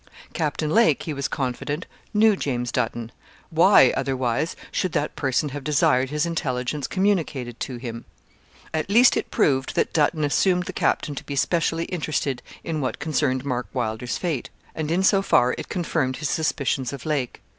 Captain Lake, he was confident, knew James Dutton why, otherwise, should that person have desired his intelligence communicated to him. At least it proved that Dutton assumed the captain to be specially interested in what concerned Mark Wylder's fate; and in so far it confirmed his suspicions of Lake.